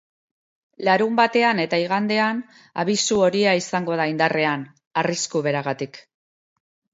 Larunbatean eta igandean, abisu horia izango da indarrean, arrisku beragatik.